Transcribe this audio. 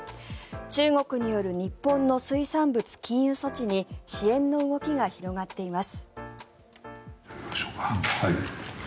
中国による日本の水産物禁輸措置に支援の動きが広がっています。